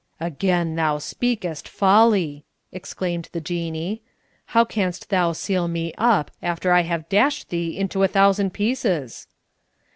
"Again thou speakest folly," exclaimed the Jinnee. "How canst thou seal me up after I have dashed thee into a thousand pieces?"